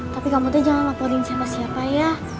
tapi kamu tuh jangan laporin sama siapa ya